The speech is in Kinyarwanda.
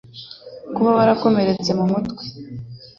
Kuba warakomeretse mu mutwe